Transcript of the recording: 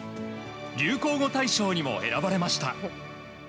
流行語大賞にも選ばれました。